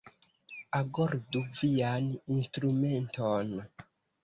Agordu vian instrumenton!